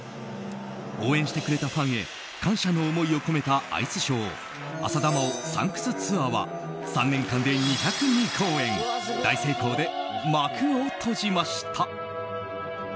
応援してくれたファンへ感謝の思いを込めたアイスショー「浅田真央サンクスツアー」は３年間で２０２公演大成功で幕を閉じました。